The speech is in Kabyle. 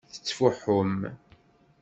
Tettfuḥum.